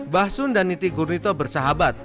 basun dan niti gurnito bersahabat